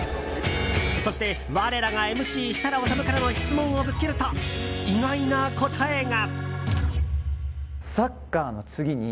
そして、我らがＭＣ設楽統からの質問をぶつけると意外な答えが。